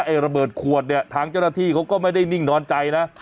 ระเบิดขวดเนี่ยทางเจ้าหน้าที่เขาก็ไม่ได้นิ่งนอนใจนะ